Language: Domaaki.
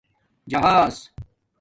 جہاس